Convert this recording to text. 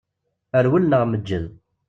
Rwel neɣ meǧǧed.